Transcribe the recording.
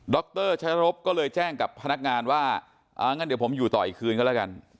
รชัยรบก็เลยแจ้งกับพนักงานว่าอ่างั้นเดี๋ยวผมอยู่ต่ออีกคืนก็แล้วกัน